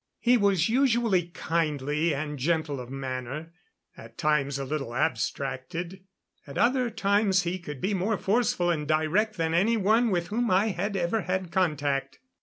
He was usually kindly and gentle of manner at times a little abstracted; at other times he could be more forceful and direct than anyone with whom I had ever had contact.